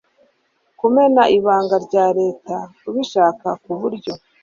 kumena ibanga rya leta ubishaka ku buryo